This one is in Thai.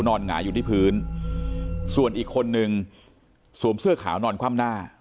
หงายอยู่ที่พื้นส่วนอีกคนนึงสวมเสื้อขาวนอนคว่ำหน้า